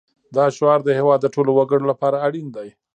دا شعار د هېواد د ټولو وګړو لپاره اړین دی